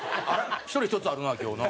１人１つあるな今日な。